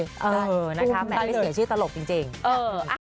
คุมได้เลยนะครับไม่เสียชื่อตลกจริงคุมได้เลย